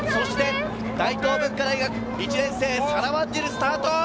そして大東文化大学１年生、サラ・ワンジル、スタート！